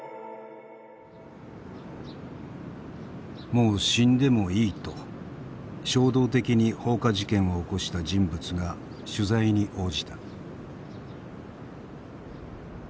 もう死んでもいいと衝動的に放火事件を起こした人物が取材に応じた。